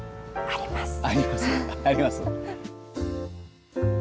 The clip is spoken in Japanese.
あります？